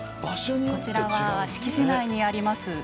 こちらは敷地内にあります